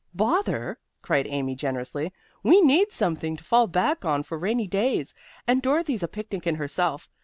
"Bother!" cried Amy generously. "We need something to fall back on for rainy days, and Dorothy's a picnic in herself.